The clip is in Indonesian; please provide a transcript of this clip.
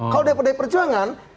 kalau dari pdi perjuangan